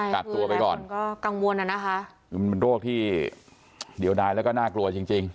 กลักตัวไปก่อนมันโรคที่เดียวดายแล้วก็น่ากลัวจริง